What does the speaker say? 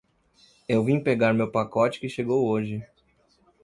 Eu vim pegar meu pacote que chegou hoje.